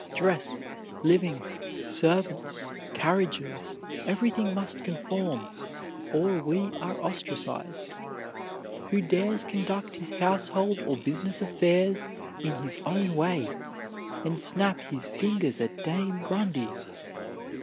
Dress, living, servants, carriages, everything must conform, or we are ostracized. Who dares conduct his household or business affairs in his own way, and snap his fingers at Dame Grundy?